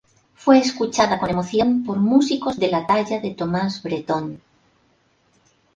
Fue escuchada con emoción por músicos de la talla de Tomás Bretón.